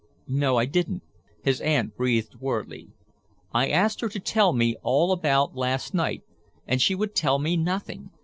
"No, I didn't," his aunt breathed worriedly. "I asked her to tell me all about last night and she would tell me nothing.